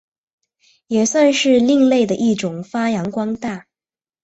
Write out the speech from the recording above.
也算是另类的一种发扬光大。